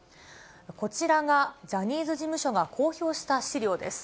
こちらがジャニーズ事務所が公表した資料です。